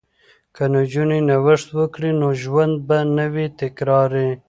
که نجونې نوښت وکړي نو ژوند به نه وي تکراري.